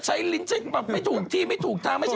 ใช้ลิ้นใช้มาไม่ถูกที่ไม่ถูกทาง